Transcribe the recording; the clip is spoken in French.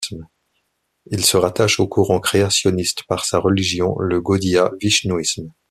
Il se rattache au courant créationniste par sa religion, le Gaudiya Vishnouisme.